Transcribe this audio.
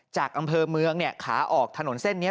จากอำเภอเมืองขาออกถนนเส้นนี้